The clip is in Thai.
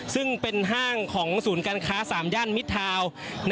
ซึ่งเป็นห้างของศูนย์การค้า๓ย่านมิดทาวน์